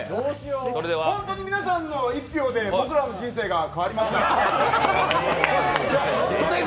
本当に皆さんの１票で僕らの人生が変わりますから。